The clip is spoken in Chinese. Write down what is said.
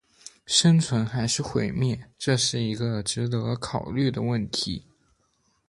生存还是毁灭，这是一个值得考虑的问题